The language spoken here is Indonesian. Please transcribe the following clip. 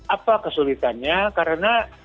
apa kesulitannya karena